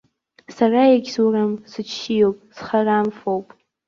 Сара егьсурым, сыччиоуп, зхарамфоуп.